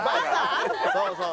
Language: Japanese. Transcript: そうそう。